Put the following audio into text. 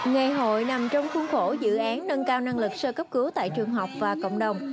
ngày hội nằm trong khuôn khổ dự án nâng cao năng lực sơ cấp cứu tại trường học và cộng đồng